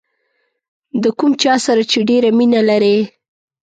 د کوم چا سره چې ډېره مینه لرئ.